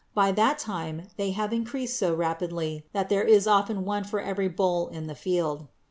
By that time they have increased so rapidly that there is often one for every boll in the field.